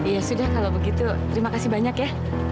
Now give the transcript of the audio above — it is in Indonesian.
ya sudah kalau begitu terima kasih banyak ya